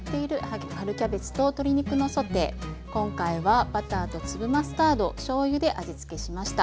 今回はバターと粒マスタードしょうゆで味付けしました。